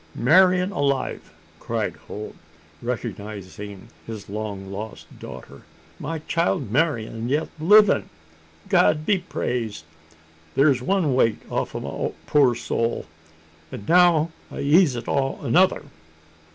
"Marian alive!" cried Holt, recognising his long lost daughter. "My child Marian yet livin'! God be praised! Thur's one weight off o' my poor soul an' now to eeze it o' another!"